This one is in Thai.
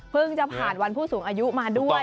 จะผ่านวันผู้สูงอายุมาด้วย